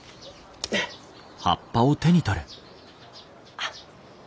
あっ。